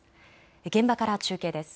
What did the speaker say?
現場から中継です。